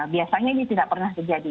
biasanya ini tidak pernah terjadi